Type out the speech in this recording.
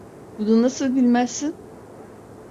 Bunu nasıl bilmezsin?